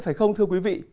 phải không thưa quý vị